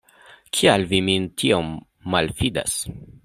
Kial vi min tiom malﬁdas?